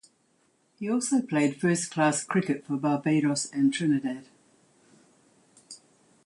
He also played first-class cricket for Barbados and Trinidad.